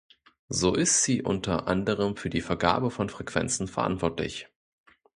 So ist sie unter anderem für die Vergabe von Frequenzen verantwortlich.